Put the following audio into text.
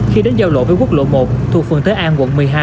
khi đến giao lộ với quốc lộ một thuộc phường thới an quận một mươi hai